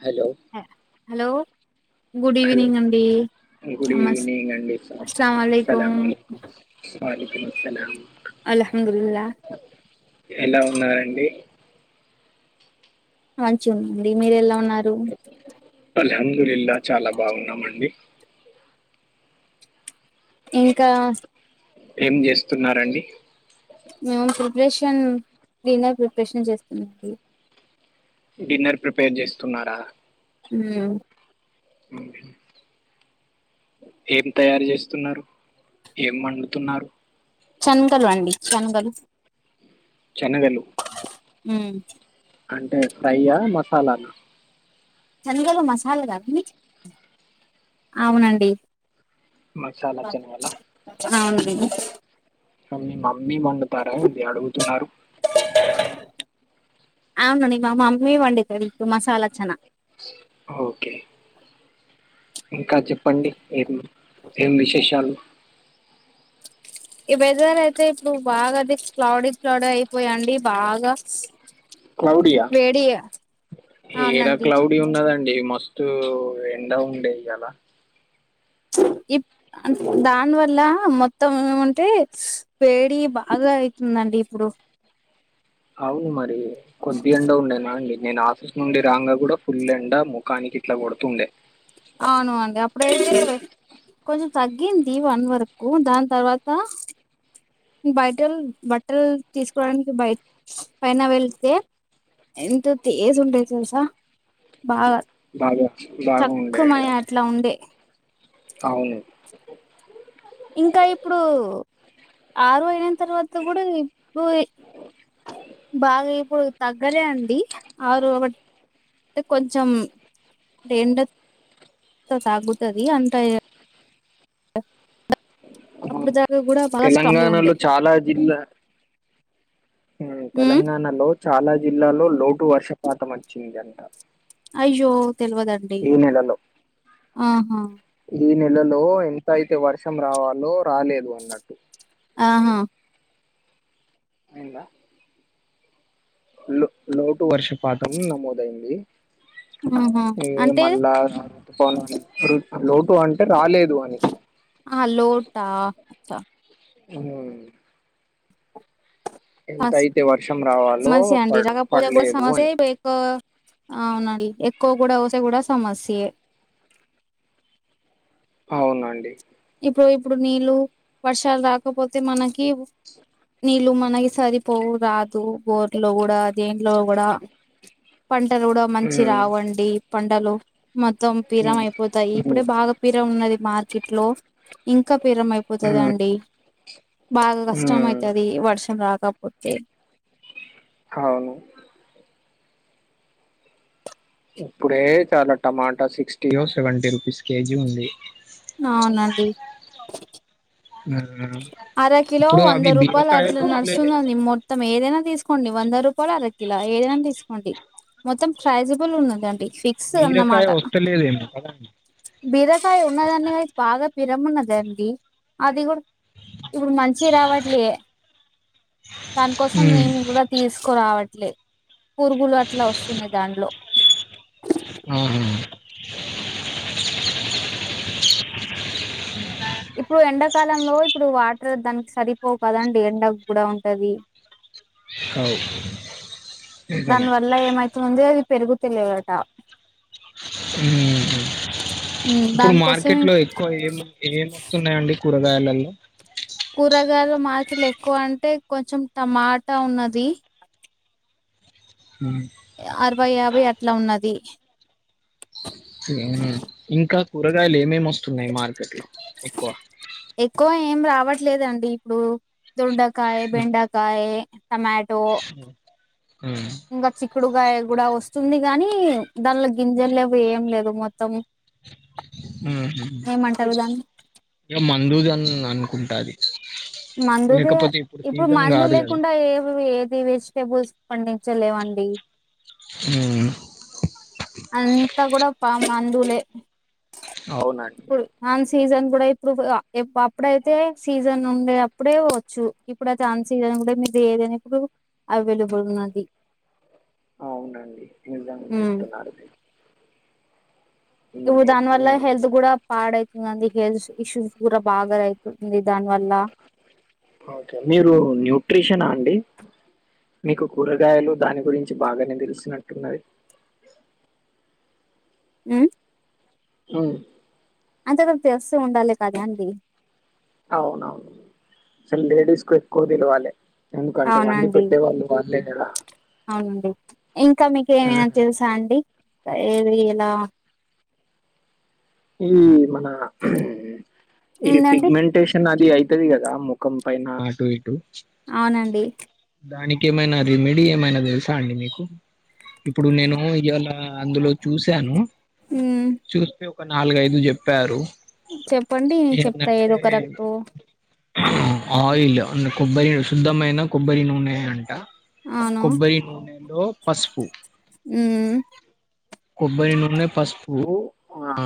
Hello hello good hello evening అండి good నమస్ evening అండి అస్సలం అలైకుం సలాం అల్హమ్దుల్లా ఎలా ఉన్నారండి మంచి ఉందండి మీరు ఎలా ఉన్నారు అందరిల్లా చాలా బాగున్నామండి ఇంకా ఏం చేస్తున్నారండి మే ప్రిపరేషన్ డిన్నర్ ప్రిపరేషన్ చేస్తున్నాండి డిన్నర్ ప్రిపేర్ చేస్తున్నారా హ అ ఏం తయారు చేస్తున్నారు ఏం వండుతున్నారు చగలు అండి చనగలు చెనగలు ఉమ్ అంటే ఫ్రైయా మసాలానా చనలు మసాలా కాద అవునండి మసాలా చెనగల అవునండి మీ మమ్మీ వొండుతారా, ఇది అడుగుతున్నారు. అవునండి, మా మమ్మీ వండితది, ఇప్పుడు మసాలా చనా ఓకే ఇంకా చెప్పండి. ఏం ఏం విశేషాలు ఈ వెదర్ అయితే, ఇప్పుడు బాగా అది క్లౌడ క్లౌడ అయిపోయిండి. బాగా క్లౌడియా వేడి ఏడా అవునండి క్లౌడీ ఉన్నదండి. మస్తు మాస్తూ, ఎండ ఉండె ఇయ్యలా ఇప్ దాని వల్ల మొత్తం, ఏమంటే వేడి బాగా గా అయితుదండి. ఇప్పుడు అవు మరి, కొద్ది ఎండ ఉండే నా అండి నేను ఆఫీస్ నుండి రాంగా కూడా, ఫుల్ ఎండ ముఖానికి ఇట్లా కొడుతుండే. అవును, అండి అప్పుడు ఏ కొంచెం తగ్గింది. వన్ వరకు, దాని తర్వాత బయట బట్టలు తీసుకోవడానికి, బయ పైన వెళ్ళితే ఎంత తేజ్ ఉంటాయి. తెలుసా బాగా వచ్చి బాగ క్కుమాయ అట్లా ఉండే అవును ఇంకా ఇప్పుడు, ఆరు అయిన తర్వాత గూడా, ఇప్పుడు బాగా ఇప్పుడు తగ్గలే అండి. ఆరు ఒక అంటే కొంచెం ఎండ తాగుతది అంట అప్పుడు అవును. దాకా గూడా, బగా స్ట్రాంగ్గా తెలంగాణలో ఉండే చాలా జిల్లా హ్మ్. తెలంగాణలో చాలా జిల్లాలో లోటు వర్షపాతం వచ్చింది. అంట అయ్యో తెలివదండి. ఈ నెలలో ఆహా ఇల్లలో, ఎంత అయితే వర్షం రావాలో, రాలేదు అన్నట్టు. ఆహా! నిన్నా లోటు వర్షపాతం నమోదయింది. ఆహా! ఏ అంటే మళ్ళా, రుతుపవణాలు లోటు అంటే రాలేదు. అని ఆ లోటా చ్చా ఉమ్ వర్షం రావాలో మంచి ప దండి పడలేదు అని అవునండి, ఎక్కువ కూడా వసే గూడా సమస్యే. అవునండి. ఇప్పుడు ఇప్పుడు నీళ్ళు వర్షాలు, రాకపోతే మనకి నీళ్ళు మనకి సరిపోవు రాదు, బోర్లో గూడా దేంట్లో గూడా పంటలు గూడా, మంచి ఉమ్, రావండి పంటలు. మొత్తం పీరం ఉమ్, అయిపోతాయి. ఇప్పుడే ఉమ్, బాగా పీరం ఉన్నది. మార్కెట్ లో ఇంకా ఉమ్, అయిపోతుందిండి. బాగా కష్టం ఉమ్, అవుతది. వర్షం రాక పోతే అవును ఇప్పుడే, చాలా టమాటా సిక్స్టీయో సెవెంటీ రూపీస్ కేజీ ఉంది. అవునండి అర కిలో ఇప్పుడు వంద అవి రూపాయల అట్ల బీరకాయలు లే- నడుస్తున్నాది. మొత్తం ఏదేనా తీసుకోండి. వంద రూపాయలు అర కిలో ఏదైనా తీసుకోండి. మొత్తం ప్రైజబుల్ ఉన్నదండి. ఫిక్స్ బీరకాయలు అన్నమాట కదా బిరకాయ, ఉన్నదాన్నిక బాగ పిరమున్నదండి. అది గూడా ఇప్పుడు మంచి రావట్లే. దానికోసం ఉమ్, మేము గూడా తీసుకురావట్లే. పురుగులు అట్లా వస్తున్నాయి. దానిలో అవును ఇప్పుడు ఎండాకాలంలో ఇప్పుడు వాటర్ దానికి సరిపోవు కదండి ఎండ కూడా ఉంటది అ దాని వల్ల ఏమైతు ఉందో అది పెరుగు తెలుగట ఉమ్ హ్మ్. ఇప్పుడు దానికోసమే మార్కెట్ లో ఇప్పుడు ఎక్కువ ఏం వస్తున్నాయండి కూరగా గాయలల్లో కూరగాయలలు మార్కెట్లో ఎక్కువ అంటే కొంచెం టమాటా ఉన్నది ఉమ్, అరవై యాభై అట్ల ఉన్నది ఉ హ్మ్ ఇంకా కూరగాయలు ఏమేమి వస్త న్నాయ్ మార్కెట్లో ఎక్కువ అవట్లేదండి ఇప్పుడు దొండకాయ బెండకాయ టమాటో ఉమ్ ఇంకా చిక్కుడుకాయ కూడా వస్తుంది గాని దానిలో గింజలు లేవు ఏం లేదు మొత్తం ఉ హ్మ్ ఏమంటారు దాన్ని ఇ మందుూజన్ అనుకుంట అది మందుది లేకపోతే ఇప్పుడు సీజన్ మందు కాదు కదా లేకుండా ఏవి ఏది వే టేబుల్స్ పండించ లేవండి ఉమ్ అంతా కూడా పా మందులే అవునండి ఇప్పుడు ఆన్ సీజన్ కూడా ఇప్పుడు అప్పుడైతే సీజన్ ఉండే అప్పుడే వచ్చు ఇప్పుడు అది అన్సీజన్ కూడా మీరు ఏదైనప్పుడు అవైలబుల్ ఉన్నది అవునండి నిజంగా ఉమ్. చెప్తున్నారు మీరు హ్మ్. ఇప్పుడు ఎప్ దాని వల్ల మీరు హెల్త్ కూడా పాడవుతుంది అందుకే హెల్త్ ఇష్యూస్ కూర బాగా అయ్తుంది దాని వల్ల ఓకే మీరు న్యూట్రిషనా అండి మీకు కూరగాయలు దాని గురించి బాగానే తెలుసినట్టున్నది ఉమ్ ఉమ్ అంతవరకు తెస్తూ ఉండాలి కదా అండి అవునవును అసల్ లేడీస్ కు ఎక్కువ తెలవాలి ఎందుకంటే వండి అవునండి పెట్టే వాళ్ళు వాల్లే కద అవునండి ఇంకా మీకు ఏమనా తెలుసా అండి ఏది ఇలా ఈ మన ఇది ఏందండి పిగ్మెంటేషన్ అది అయి ఉంటది కదా ముఖం పైన అటు ఇటు అవునండి దానికి ఏమైనా రిమిడి ఏమైన తెల్స అండి మీకు ఇప్పుడు నేను ఇవాళ అందులో చూసాను ఉమ్. చూస్తే ఒక నాలుగైదు చెప్పారు చెప్పండి చెప్తా ఏంటంటే ఏదో కరెక్ట్ ఆయిల్ కొబ్బరి శుద్ధమైన కొబ్బరి నూనె అంట అవును కొబ్బరి నూనెలో పసుపు ఉమ్ కొబ్బరి నూనె పసుపు ఆ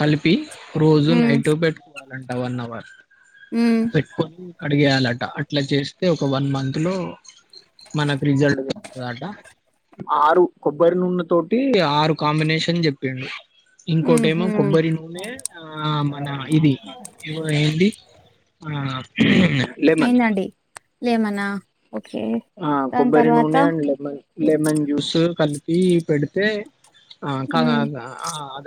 కలిపి రోజు ఉమ్ నైట్ పెట్టుకోవాలంట వన్ అవర్ ఉమ్ పెట్టుకొని కడిగేయాలట అట్లా చేస్తే ఒక వన్ మంత్ లో మనకు రిజల్ట్ వస్తుందట ఆరు కొబ్బరి నూనె తోటి ఆరు కాంబినేషన్ చెప్పిండు ఇంకోటి ఉహు ఏమో కొబ్బరి నూనె ఆ మన ఇది ఏవ ఏంది ఆ లెమన్ అయిందండి లెమన ఆ కొబ్బరి నూనె అండ్ లెమన్ లెమన్ జ్యూస్ కలిపి పెడితే ఆ క ఉమ్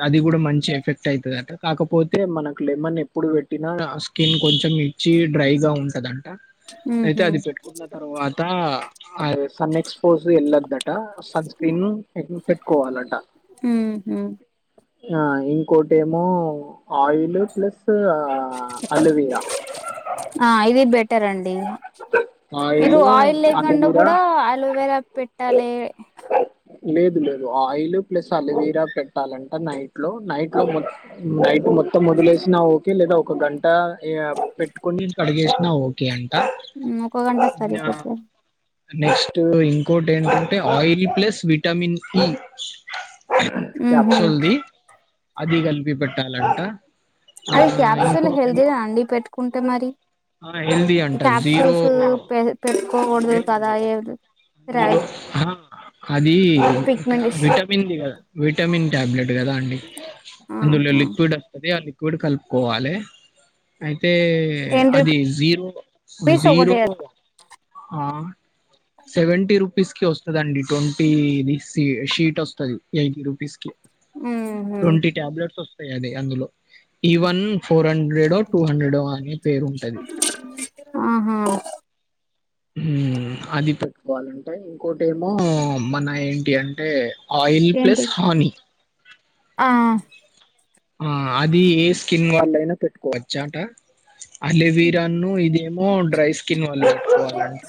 అది కూడా మంచి ఎఫెక్ట్ అయితుది అ కాకపోతే మనకు లెమన్ ఎప్పుడు పెట్టినా స్కిన్ కొంచెం ఇచ్చి డ్రైగా ఉంటదండి అయితే ఉహు అది పెట్టుకున్న తర్వాత అది సన్న ఎక్స్ ఫోస్ వెళ్ళద్దట్ సన్ స్క్రీన్ ను పెట్టుకోవాలంట ఉహు ఆ ఇంకోటి ఏమో ఆయిల్ ప్లస్ ఆ అలోవెరా ఆ ఇది బెటర్ అండి మీరు ఆయిల్ లేకుండా అలోవీరా కూడా అలోవేరా పెట్టాలే లేదు లేదు ఆయిల్ ప్లస్ అలోవీరా పెట్టాలంట నైట్ లో నైట్ లో మొ నైట్ మొత్తం మొదలేసినా ఓకే లేదా ఒక గంట పెట్టుకని కడిగేసినా ఓకే ఒక గంట సరిపోత నెక్స్ట్ ఇంకోటి ఏంటంటే ఆయిల్ ప్లస్ విటమిన్ ఇ ఉహు క్యాప్సూల్ది అది కలిపి పెట్టాలంటా అది క్యాప్సూల్ హెల్తీగా అండి పెట్టుకుంటే మరి ఆ హెల్దీ అంట జీరో క్యాప్కూస్ పె పెట్టుకోకూడదు లేదు కదా ఏ [unintelligible] అది పిగ్మెంటేషన్ విటమిన కదా విటమిన్ టాబ్లెట్ కదా అండి అందులో ఆహా లిక్విడ్ అస్తుది ఆ లిక్విడ్ కలుపుకోవాలియి ఏ టెన్ అది జీరో రూపీస్ జీరో ఒకటి ఆ సేవంటి రుపీస్ క వస్తుందిండి ట్వంటీది షీట్ వస్తుంది ఎయిటీ రూపీస్ కి ఉహు ట్వంటీ టాబ్లెట్స్ వస్తాయి అది అందులో ఈవన్ ఫోర్ హండ్రెడో టూ హండ్రెడో అనే పేరు ఉంటది ఆహా హు అది పెట్టుకోవాలంటే ఇంకోటి ఏమో మన ఏంటి అంటే ఆయిల్ ప్లస్ ఏంటి హనీ ఆ ఆ అది ఏ స్కిన్ వాళ్లయినా పెట్టుకోవచ్చాట అలవిరాను ఇదేమో డ్రై స్కిన్ వాల్ల పెట్టుకోవాలండి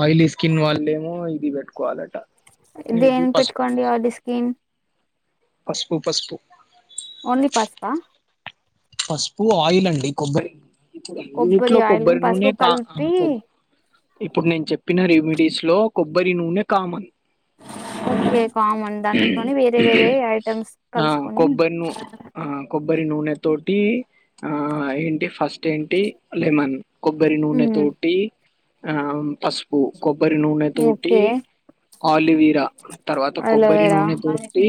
ఆయిలీ స్కిన్ వాళ్ళ ఏమో ఇది పెట్టుకోవాలటా దేని పెట్టుకోండి వాడ స్కిన్ పసుపు పసుపు ఓన్లీ పస్పా పసుపు ఆయిల్ అండి కొబ్బరి కొబ్బరి ఇట్లు ఆయిల్ కొబ్బరు పసుపు నూనె కా కలిపి కు ఇప్పుడు నేను చెప్పిన రెమిడీస్ లో కొబ్బరి నూనె కామన్ ఓకే కామన్ దాంట్లో వేరే వేరే ఐటమ్స్ కలుసుకొని కొబరి నూనె తోటి ఆ ఏంటి ఫస్ట్ ఏంటి లెమన్ కొబ్బరి నూనె మ్మ్ తూటి ఆ పసుపు కొబ్ కొబ్బరి నూనె తోటి ఓకే ఆలివీరా తర్వాత కొబ్బరి అలోవేరా నూనె తోటి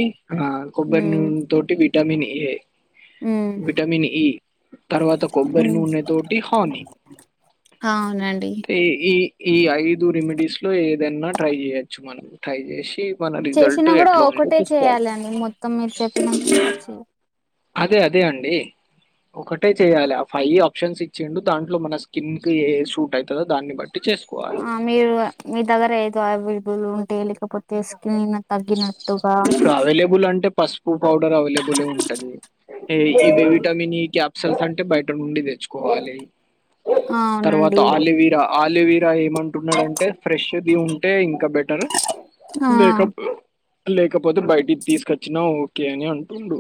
కొబ్బరి మ్మ్ నూన తోటి విటమిన్ ఏ మ్మ్ విటమిన్ ఈ తర్వాత కొబ్బరి మ్మ్ నూనె తోటి హాని అవునండి ఈ ఈ ఈ ఐదు రెమెడీస్ లో ఏదన్నా ట్రై చేయచ్చు మనం ట్రై చేసి మన రిజల్ట్ చిన్న కూడా ఎట్లా ఉందో ఒకటే చూసుకోవాలి చేయ్యాలండి మొత్తం మీరు చెప్పిన అదే అదే అండి ఒకటే చెయాలి ఆ ఫైవ్ ఆప్షన్స్ ఇచ్చిండు దాంట్లో మన స్కిన్ క ఏ షూట్ అవుతుందో దాన్ని బట్టి చేసుకోవాలి. ఆ మీరు మీ దగ్గర ఏదో అవబులు ఉంటే లేకపోతే స్కిన్ తగ్గినట్టుగా అవైలబుల్ అంటే పసుపు పౌడర్ అవైలబులే ఉంటది ఇ విటమిన్ ఈ క్యాప్సల్స్ అంటే బయట నుండి తెచ్చుకోవాలి తర్వాత అవునండి ఆలివిరా ఆలోవిరా ఏమంటున్నాడంటే ఫ్రెష్ది ఉంటే ఇంకా బెటర్ ఆ లేక లేకపోతే బయటికి తీసుకొచ్చినా ఓకే అని అంటుడు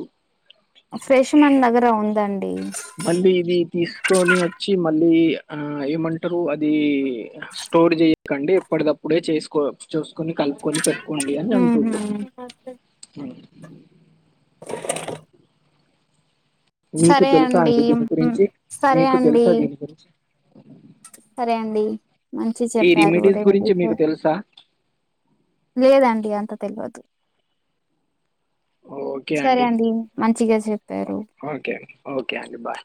ఫ్రెష్ మండ్ దగ్గర ఉందండి కని వచ్చి మళ్ళీ ఆ ఏమంటారు అది స్టోర్ చెయకండి ఎప్పటిదప్పు ఇప్పుడే చేసుకో చూసుకొని కలుపుకొని పెట్టుకోండి అని మ్మ్ అంటుంది హ్మ్ మీకు తెలుసా అండి దీని గురించి సరే మీకు అండి తెలుసా దీని గురించి సరే అండి మంచి ఈ చెప్పారు రెమెడీస్ ర గురించి స మీకు తెలుసా లేదండి అంత తెలియదు ఓకే సరే అండి మంచిగా చెప్పారు ఓకే ఓకే అడి బాయ్